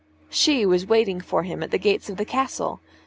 She was waiting for him at the gates of the castle.